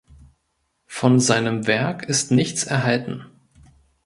Von seinem Werk ist nichts erhalten.